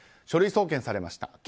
書類送検されました。